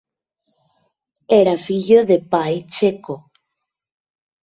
Era fillo de pai checo.